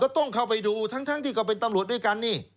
ต้องเข้าไปดูทั้งที่ก็เป็นตำรวจด้วยกันนี่